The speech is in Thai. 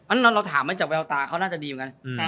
อันนั้นเราถามมาจากเวลาตาเขาน่าจะดีเหมือนกัน